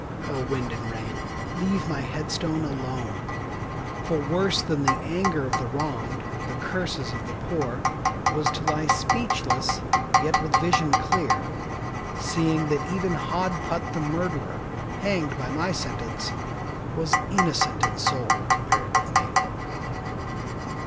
O wind and rain, leave my head stone alone For worse than the anger of the wronged, The curses of the poor, Was to lie speechless, yet with vision clear, Seeing that even Hod Putt, the murderer, Hanged by my sentence, Was innocent in soul compared with me.